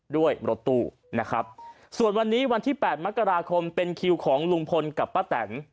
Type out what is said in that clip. ด้วยรถตู้นะครับส่วนวันนี้วันที่๘มกราคมเป็นคิวของลุงพลกับป้าแตน